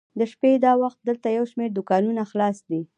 د شپې دا وخت دلته یو شمېر دوکانونه خلاص دي.